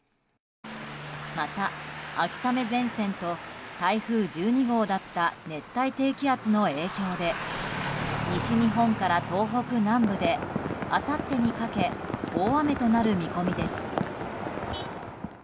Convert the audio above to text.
また秋雨前線と台風１２号だった熱帯低気圧の影響で西日本から東北南部であさってにかけ大雨となる見込みです。